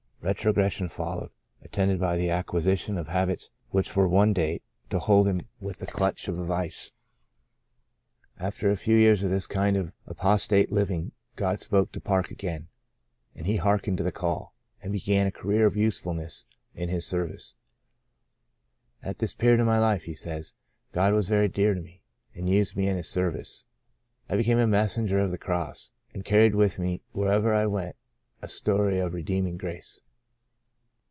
Retrogression followed, attended by the acquisition of habits which were one day to hold him with the clutch o{ Saved to Serve 89 a vise. After a few years of this kind of apostate living God spoke to Park again, and he hearkened to the call, and began a career of usefulness in His service. At this period of my life/' he says, '' God was very dear to me, and used me in His service. I became a messenger of the Cross, and carried with me wherever I went a story of redeem ing grace."